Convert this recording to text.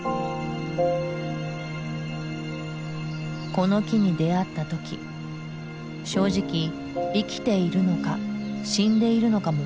この木に出会った時正直生きているのか死んでいるのかも分からなかったという。